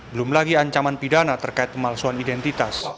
belum lagi ancaman pidana terkait pemalsuan identitas